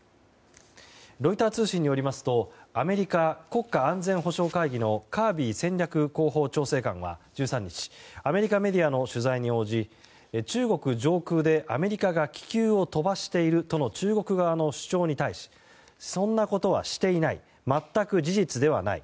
ロイター通信によりますとアメリカ国家安全保障会議のカービー戦略広報調整官は１３日アメリカメディアの取材に応じ中国上空でアメリカが気球を飛ばしているとの中国側の主張に対しそんなことはしていない全く事実ではない。